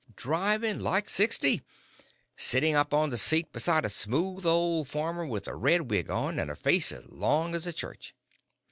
"Driving like sixty, sitting up on the seat beside a smooth old farmer with a red wig on, and a face as long as a church."